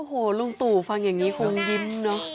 โอ้โหลุงตู่ฟังอย่างนี้คงยิ้มเนอะ